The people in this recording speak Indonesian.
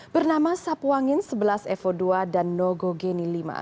bernama sapuangin sebelas evo dua dan nogogeni lima